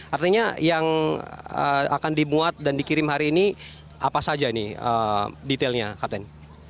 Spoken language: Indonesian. artinya yang akan dimuat dan dikirim hari ini apa saja nih detailnya kapten